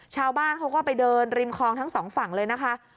ชาวบ้านเขาก็ไปเดินริมคลองทั้งสองฝั่งเลยนะคะ